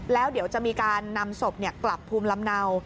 แล้วเดี๋ยวจะมีการนำศพกลับภูมิลำเนา